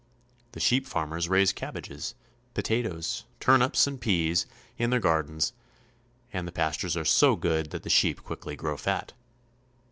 The sheep farmers raise cabbages, potatoes, turnips, and peas in their gar dens, and the pastures are so good that the sheep quickly grow fat.